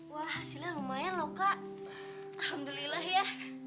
wah hasilnya lumayan loh kak alhamdulillah ya